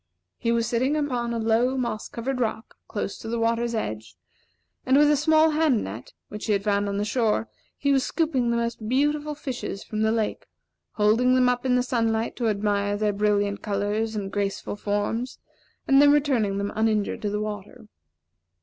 He was sitting upon a low, moss covered rock, close to the water's edge; and with a small hand net, which he had found on the shore, he was scooping the most beautiful fishes from the lake, holding them up in the sunlight to admire their brilliant colors and graceful forms, and then returning them uninjured to the water.